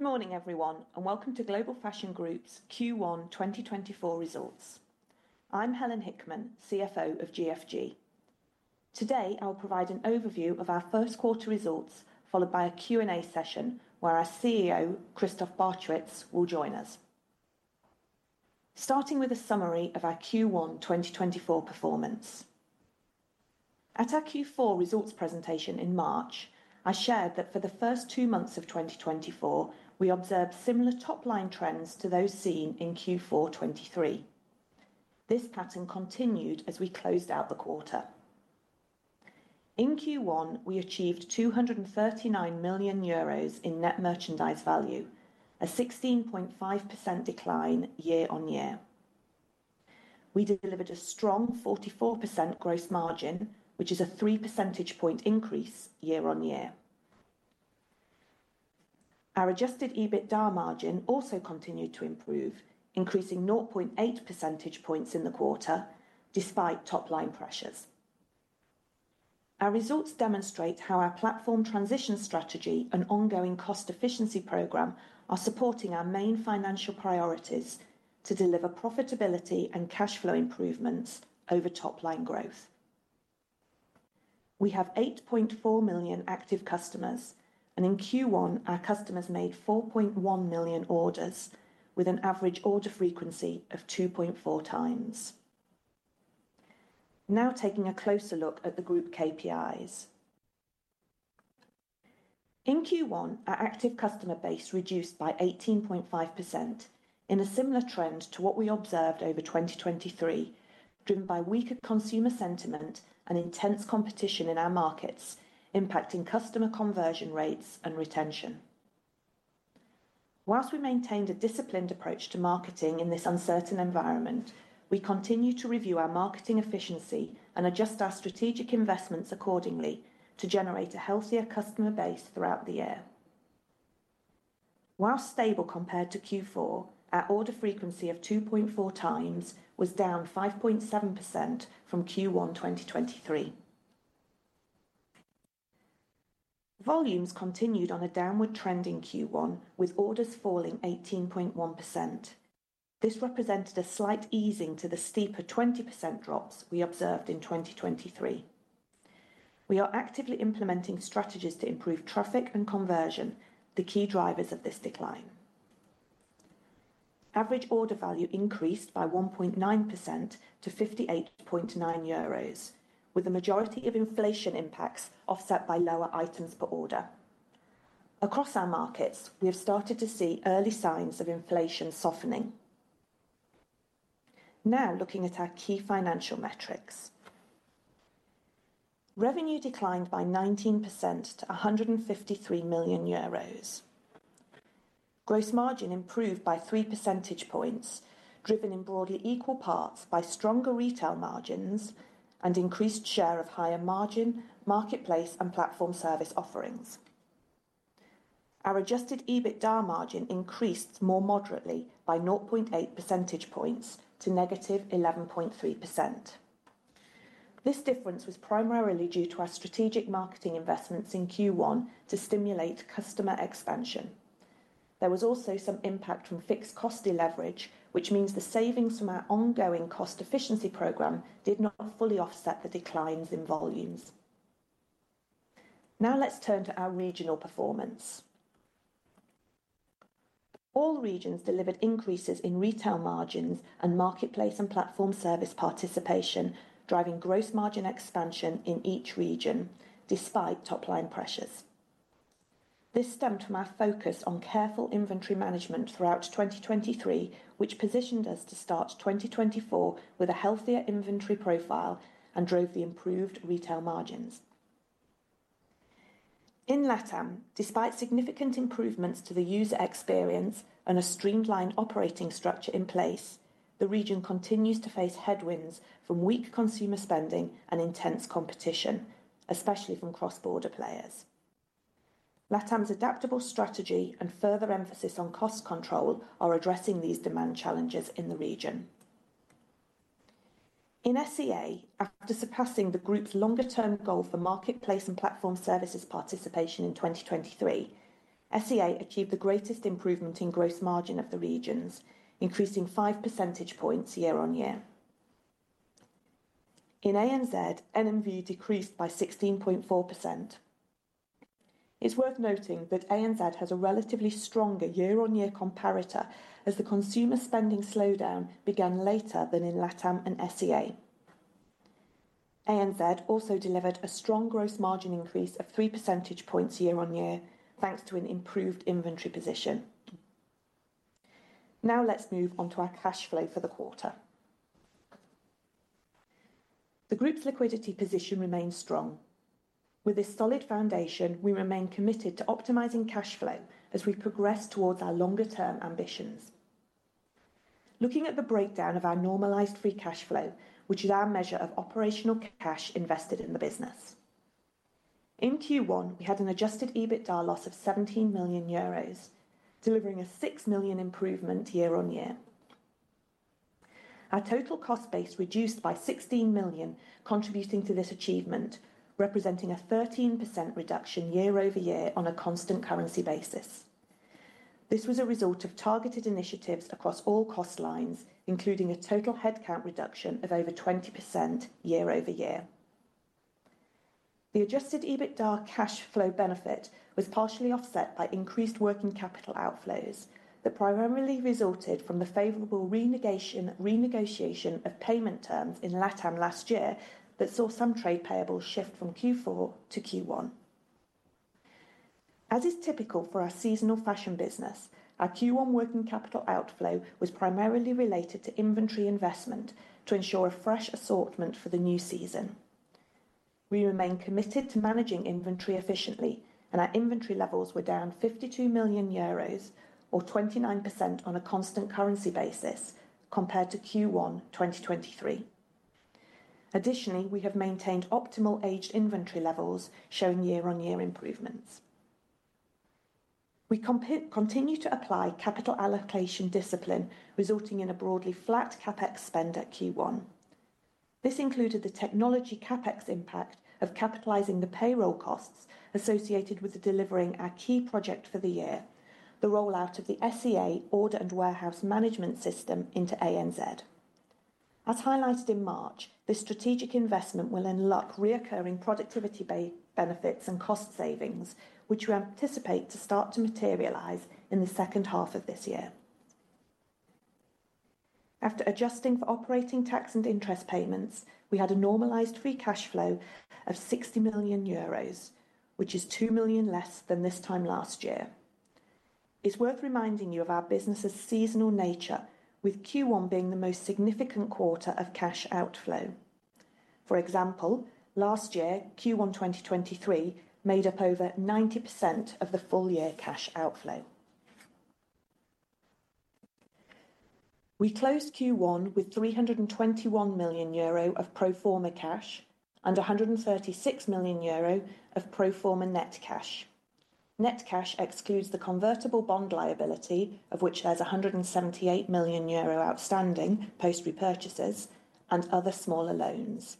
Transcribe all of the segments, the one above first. Good morning, everyone, and welcome to Global Fashion Group's Q1 2024 results. I'm Helen Hickman, CFO of GFG. Today, I'll provide an overview of our first quarter results, followed by a Q&A session where our CEO, Christoph Barchewitz, will join us. Starting with a summary of our Q1 2024 performance. At our Q4 results presentation in March, I shared that for the first two months of 2024, we observed similar top-line trends to those seen in Q4 2023. This pattern continued as we closed out the quarter. In Q1, we achieved 239 million euros in net merchandise value, a 16.5% decline year on year. We delivered a strong 44% gross margin, which is a three percentage point increase year on year. Our Adjusted EBITDA margin also continued to improve, increasing 0.8 percentage points in the quarter despite top-line pressures. Our results demonstrate how our platform transition strategy and ongoing cost efficiency program are supporting our main financial priorities to deliver profitability and cash flow improvements over top-line growth. We have 8.4 million active customers, and in Q1, our customers made 4.1 million orders, with an average order frequency of 2.4x. Now taking a closer look at the group KPIs. In Q1, our active customer base reduced by 18.5%, in a similar trend to what we observed over 2023, driven by weaker consumer sentiment and intense competition in our markets, impacting customer conversion rates and retention. While we maintained a disciplined approach to marketing in this uncertain environment, we continue to review our marketing efficiency and adjust our strategic investments accordingly to generate a healthier customer base throughout the year. While stable compared to Q4, our order frequency of 2.4x was down 5.7% from Q1 2023. Volumes continued on a downward trend in Q1, with orders falling 18.1%. This represented a slight easing to the steeper 20% drops we observed in 2023. We are actively implementing strategies to improve traffic and conversion, the key drivers of this decline. Average order value increased by 1.9% to 58.9 euros with the majority of inflation impacts offset by lower items per order. Across our markets, we have started to see early signs of inflation softening. Now looking at our key financial metrics. Revenue declined by 19% to 153 million euros. Gross margin improved by three percentage points, driven in broadly equal parts by stronger retail margins and increased share of higher margin, marketplace, and platform service offerings. Our Adjusted EBITDA margin increased more moderately by 0.8 percentage points to -11.3%. This difference was primarily due to our strategic marketing investments in Q1 to stimulate customer expansion. There was also some impact from fixed cost deleverage, which means the savings from our ongoing cost efficiency program did not fully offset the declines in volumes. Now let's turn to our regional performance. All regions delivered increases in retail margins and marketplace and platform service participation, driving gross margin expansion in each region despite top-line pressures. This stemmed from our focus on careful inventory management throughout 2023, which positioned us to start 2024 with a healthier inventory profile and drove the improved retail margins. In LATAM, despite significant improvements to the user experience and a streamlined operating structure in place, the region continues to face headwinds from weak consumer spending and intense competition, especially from cross-border players. LATAM's adaptable strategy and further emphasis on cost control are addressing these demand challenges in the region. In SEA, after surpassing the group's longer term goal for marketplace and platform services participation in 2023, SEA achieved the greatest improvement in gross margin of the regions, increasing five percentage points year on year. In ANZ, NMV decreased by 16.4%. It's worth noting that ANZ has a relatively stronger year-on-year comparator as the consumer spending slowdown began later than in LATAM and SEA. ANZ also delivered a strong gross margin increase of three percentage points year-on-year, thanks to an improved inventory position. Now, let's move on to our cash flow for the quarter. The group's liquidity position remains strong. With this solid foundation, we remain committed to optimizing cash flow as we progress towards our longer term ambitions. Looking at the breakdown of our normalized free cash flow, which is our measure of operational cash invested in the business. In Q1, we had an Adjusted EBITDA loss of 17 million euros, delivering a 6 million improvement year-over-year. Our total cost base reduced by 16 million, contributing to this achievement, representing a 13% reduction year-over-year on a constant currency basis. This was a result of targeted initiatives across all cost lines, including a total headcount reduction of over 20% year-over-year. The adjusted EBITDA cash flow benefit was partially offset by increased working capital outflows that primarily resulted from the favorable renegotiation of payment terms in LATAM last year, that saw some trade payables shift from Q4 to Q1. As is typical for our seasonal fashion business, our Q1 working capital outflow was primarily related to inventory investment to ensure a fresh assortment for the new season. We remain committed to managing inventory efficiently, and our inventory levels were down 52 million euros or 29% on a constant currency basis compared to Q1 2023. Additionally, we have maintained optimal aged inventory levels showing year on year improvements. We continue to apply capital allocation discipline, resulting in a broadly flat CapEx spend at Q1. This included the technology CapEx impact of capitalizing the payroll costs associated with delivering our key project for the year, the rollout of the SCA Order and Warehouse Management System into ANZ. As highlighted in March, this strategic investment will unlock recurring productivity benefits and cost savings, which we anticipate to start to materialize in the second half of this year. After adjusting for operating tax and interest payments, we had a normalized free cash flow of 60 million euros, which is 2 million less than this time last year. It's worth reminding you of our business's seasonal nature, with Q1 being the most significant quarter of cash outflow. For example, last year, Q1, 2023 made up over 90% of the full year cash outflow. We closed Q1 with 321 million euro of pro forma cash and 136 million euro of pro forma net cash. Net cash excludes the convertible bond liability, of which there's 178 million euro outstanding post repurchases and other smaller loans.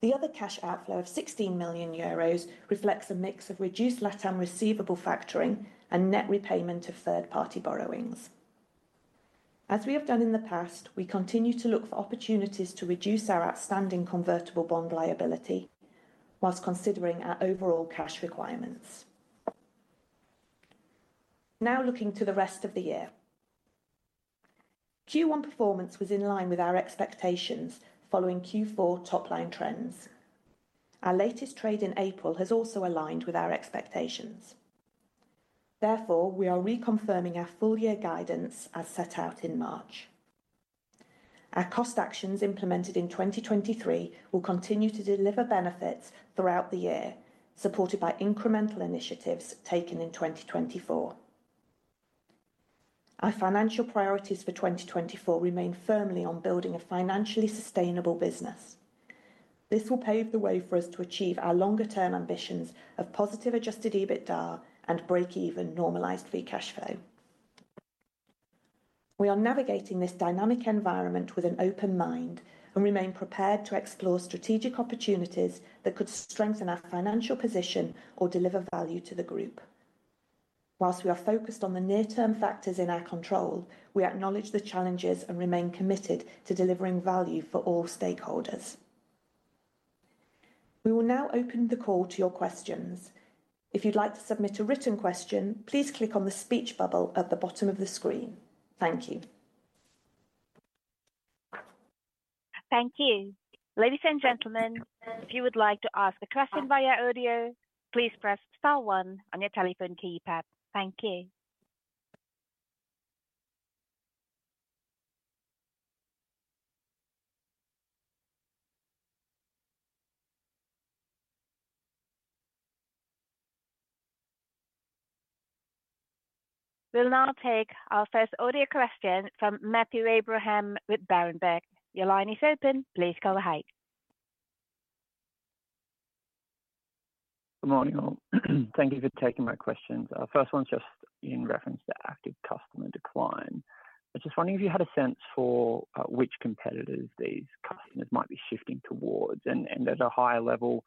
The other cash outflow of 16 million euros reflects a mix of reduced LATAM receivable factoring and net repayment of third-party borrowings. As we have done in the past, we continue to look for opportunities to reduce our outstanding convertible bond liability while considering our overall cash requirements. Now looking to the rest of the year. Q1 performance was in line with our expectations following Q4 top-line trends. Our latest trade in April has also aligned with our expectations. Therefore, we are reconfirming our full-year guidance as set out in March. Our cost actions implemented in 2023 will continue to deliver benefits throughout the year, supported by incremental initiatives taken in 2024. Our financial priorities for 2024 remain firmly on building a financially sustainable business. This will pave the way for us to achieve our longer-term ambitions of positive Adjusted EBITDA and break-even Normalized Free Cash Flow. We are navigating this dynamic environment with an open mind and remain prepared to explore strategic opportunities that could strengthen our financial position or deliver value to the group. While we are focused on the near-term factors in our control, we acknowledge the challenges and remain committed to delivering value for all stakeholders. We will now open the call to your questions. If you'd like to submit a written question, please click on the speech bubble at the bottom of the screen. Thank you. Thank you. Ladies and gentlemen, if you would like to ask a question via audio, please press star one on your telephone keypad. Thank you. We'll now take our first audio question from Matthew Abraham with BERENBERG. Your line is open. Please go ahead. Good morning, all. Thank you for taking my questions. First one is just in reference to active customer decline. I was just wondering if you had a sense for which competitors these customers might be shifting towards? And at a higher level,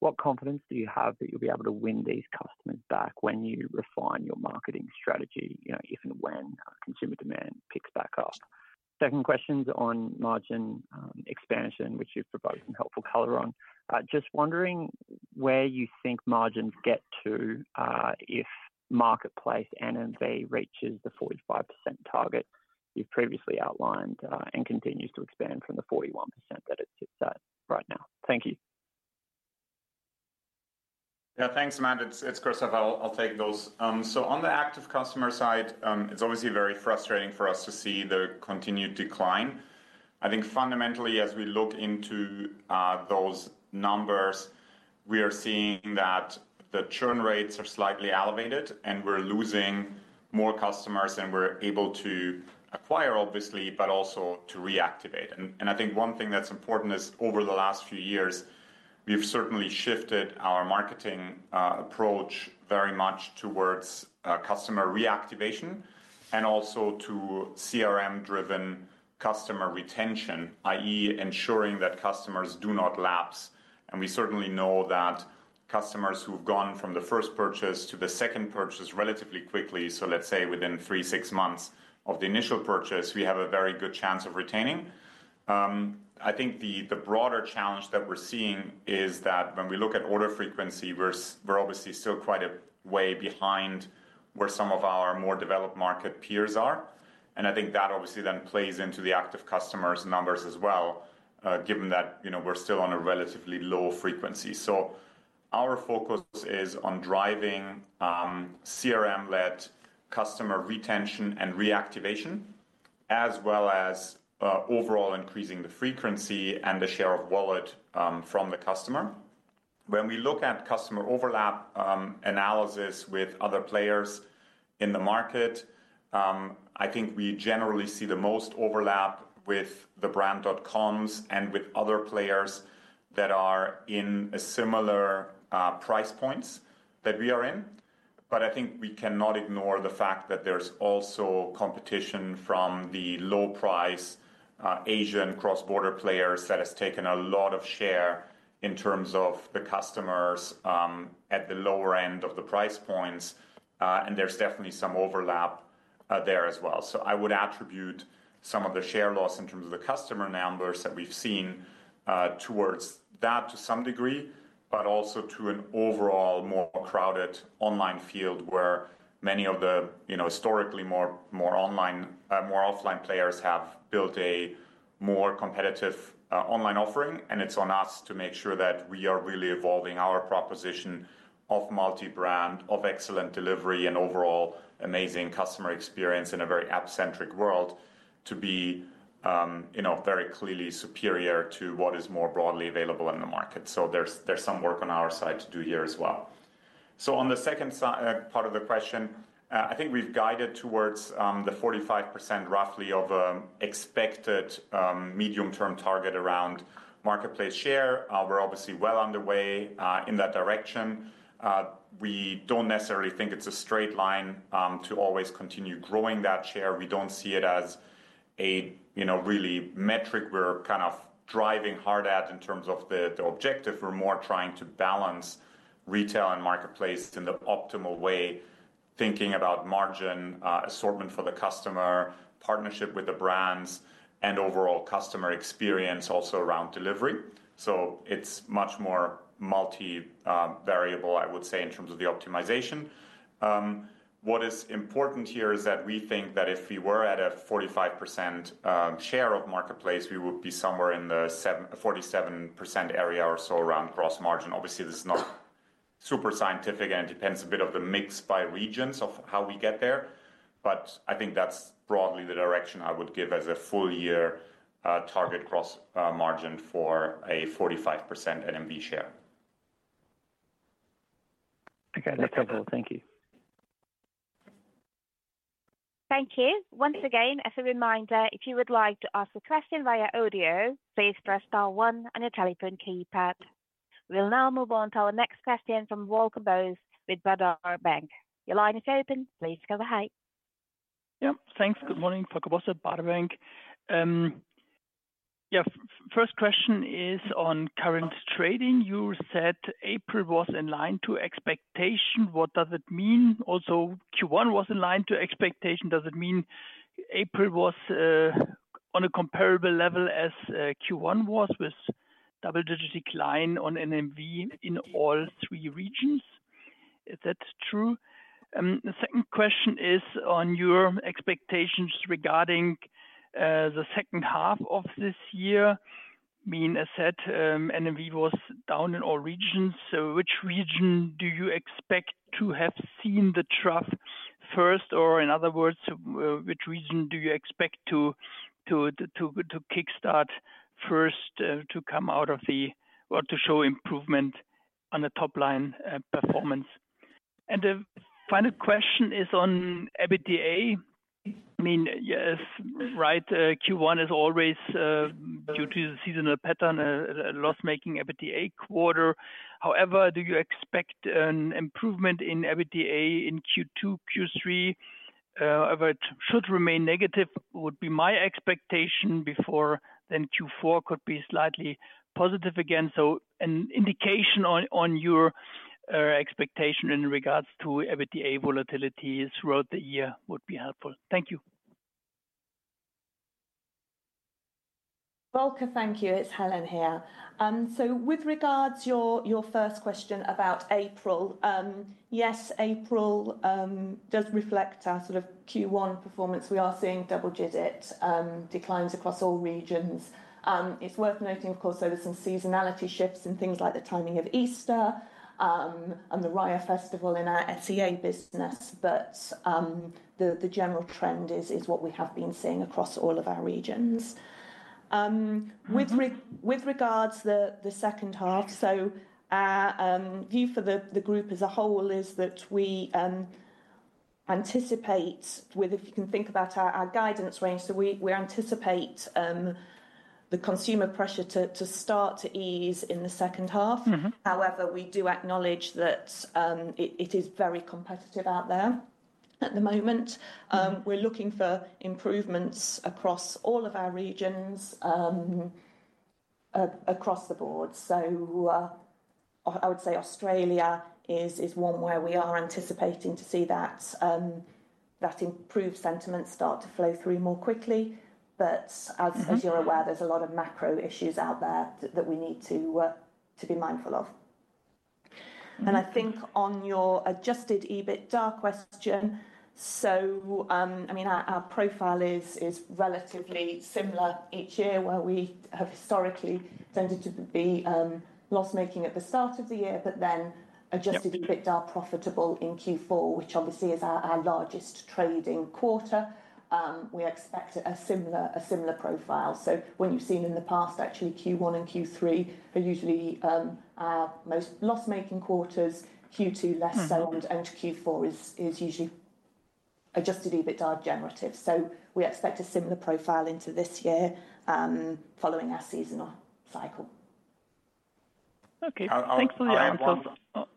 what confidence do you have that you'll be able to win these customers back when you refine your marketing strategy, you know, if and when consumer demand picks back up? Second question's on margin expansion, which you've provided some helpful color on. Just wondering where you think margins get to if marketplace NMV reaches the 45% target you've previously outlined and continues to expand from the 41% that it sits at right now. Thank you. Yeah, thanks, Matt. It's Christoph. I'll take those. So on the active customer side, it's obviously very frustrating for us to see the continued decline. I think fundamentally, as we look into those numbers, we are seeing that the churn rates are slightly elevated and we're losing more customers than we're able to acquire, obviously, but also to reactivate. And I think one thing that's important is over the last few years we've certainly shifted our marketing approach very much towards customer reactivation and also to CRM driven customer retention, i.e., ensuring that customers do not lapse. And we certainly know that customers who've gone from the first purchase to the second purchase relatively quickly, so let's say within three six months of the initial purchase, we have a very good chance of retaining. I think the broader challenge that we're seeing is that when we look at order frequency, we're obviously still quite a way behind where some of our more developed market peers are. I think that obviously then plays into the active customers numbers as well, given that, you know, we're still on a relatively low frequency. Our focus is on driving CRM led customer retention and reactivation, as well as overall increasing the frequency and the share of wallet from the customer. When we look at customer overlap analysis with other players in the market, I think we generally see the most overlap with the brand dot coms and with other players that are in a similar price points that we are in. But I think we cannot ignore the fact that there's also competition from the low price Asian cross-border players that has taken a lot of share in terms of the customers at the lower end of the price points and there's definitely some overlap there as well. So I would attribute some of the share loss in terms of the customer numbers that we've seen towards that to some degree, but also to an overall more crowded online field, where many of the, you know, historically more offline players have built a more competitive online offering. It's on us to make sure that we are really evolving our proposition of multi-brand, of excellent delivery, and overall amazing customer experience in a very app-centric world, to be, you know, very clearly superior to what is more broadly available in the market. So there's, there's some work on our side to do here as well. So on the second part of the question, I think we've guided towards the 45%, roughly, of expected medium-term target around marketplace share. We're obviously well underway in that direction. We don't necessarily think it's a straight line to always continue growing that share. We don't see it as a, you know, really metric we're kind of driving hard at in terms of the, the objective. We're more trying to balance retail and marketplace in the optimal way, thinking about margin, assortment for the customer, partnership with the brands, and overall customer experience also around delivery. So it's much more multi variable, I would say, in terms of the optimization. What is important here is that we think that if we were at a 45% share of marketplace, we would be somewhere in the 47% area or so around gross margin. Obviously, this is not super scientific, and it depends a bit of the mix by regions of how we get there, but I think that's broadly the direction I would give as a full year target gross margin for a 45% NMV share. Okay, thank you. Thank you. Once again, as a reminder, if you would like to ask a question via audio, please press star one on your telephone keypad. We'll now move on to our next question from Volker Bosse with Baader Bank. Your line is open. Please go ahead. Yeah, thanks. Good morning, Volker Bosse, Baader Bank. Yeah, first question is on current trading. You said April was in line to expectation. What does it mean? Also, Q1 was in line to expectation. Does it mean April was on a comparable level as Q1 was, with double-digit decline on NMV in all three regions? Is that true? The second question is on your expectations regarding the second half of this year, being as said, NMV was down in all regions. So which region do you expect to have seen the trough first, or in other words, which region do you expect to kickstart first to come out of the... or to show improvement on the top-line performance? And the final question is on EBITDA. I mean, yes, right, Q1 is always, due to the seasonal pattern, a loss-making EBITDA quarter. However, do you expect an improvement in EBITDA in Q2, Q3? But should remain negative, would be my expectation before then Q4 could be slightly positive again. So an indication on, on your, expectation in regards to EBITDA volatility throughout the year would be helpful. Thank you. Volker, thank you. It's Helen here. So with regards your first question about April, yes, April does reflect our sort of Q1 performance. We are seeing double-digit declines across all regions. It's worth noting, of course, there were some seasonality shifts in things like the timing of Easter and the Raya festival in our SEA business, but the general trend is what we have been seeing across all of our regions. With regards the second half, so our view for the group as a whole is that we anticipate with, if you can think about our guidance range, so we anticipate the consumer pressure to start to ease in the second half. Mm-hmm. However, we do acknowledge that it is very competitive out there at the moment. Mm-hmm. We're looking for improvements across all of our regions, across the board. So, I would say Australia is one where we are anticipating to see that improved sentiment start to flow through more quickly. But as you're aware, Mm-hmm, there's a lot of macro issues out there that we need to be mindful of. Mm-hmm. And I think on your Adjusted EBITDA question, so, I mean, our profile is relatively similar each year, where we have historically tended to be loss-making at the start of the year, but then Adjusted EBITDA profitable in Q4, which obviously is our largest trading quarter. We expect a similar profile. So what you've seen in the past, actually, Q1 and Q3 are usually our most loss-making quarters, Q2 less so. Mm-hmm. And Q4 is usually Adjusted EBITDA generative. So we expect a similar profile into this year, following our seasonal cycle. Okay. Thanks for the answer. I'll add one-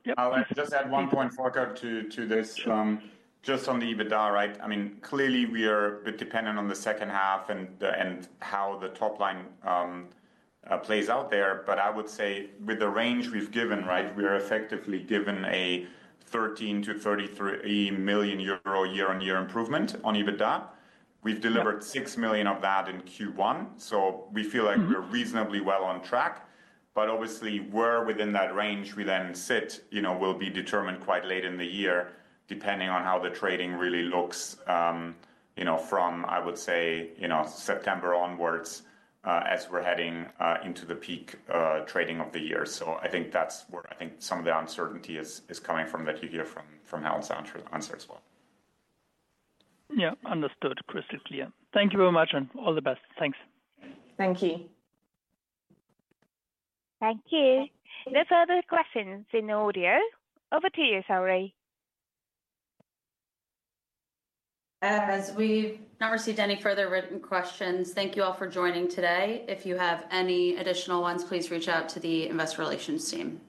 Yep. I'll just add one point, Volker, to this. Sure. Just on the EBITDA, right? I mean, clearly we are a bit dependent on the second half and the, and how the top line plays out there. But I would say with the range we've given, right, we are effectively given a 13 million-33 million euro year-on-year improvement on EBITDA. Yep. We've delivered 6 million of that in Q1, so we feel like- Mm-hmm We're reasonably well on track. But obviously, where within that range we then sit, you know, will be determined quite late in the year, depending on how the trading really looks, you know, from, I would say, you know, September onwards, as we're heading into the peak trading of the year. So I think that's where I think some of the uncertainty is coming from, that you hear from Alexandra's answer as well. Yeah. Understood crystal clear. Thank you very much, and all the best. Thanks. Thank you. Thank you. There's other questions in the audio. Over to you, Sally. As we've not received any further written questions, thank you all for joining today. If you have any additional ones, please reach out to the investor relations team.